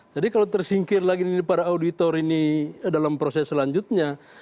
jadi kalau tersingkir lagi ini para auditor ini dalam proses selanjutnya